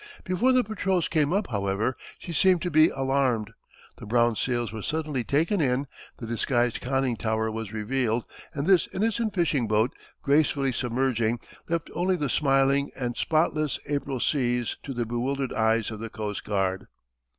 Before the patrols came up, however, she seemed to be alarmed. The brown sails were suddenly taken in; the disguised conning tower was revealed, and this innocent fishing boat, gracefully submerging, left only the smiling and spotless April seas to the bewildered eyes of the coast guard.